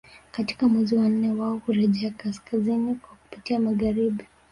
Katika mwezi wa nne wao hurejea kaskazini kwa kupitia magharibi